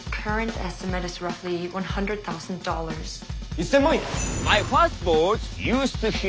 １，０００万円！？